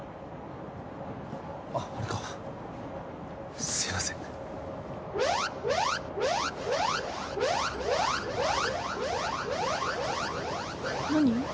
あっあれかすいません何？